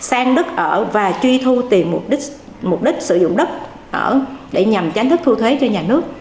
nếu đất du lịch đang ở và truy thu tiền mục đích sử dụng đất để nhằm tránh thức thu thuế cho nhà nước